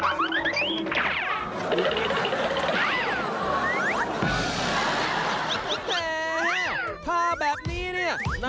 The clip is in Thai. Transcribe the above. ทาแบบฉบับที่ไม่เหมือนใครแบบนี้นี่แหละครับ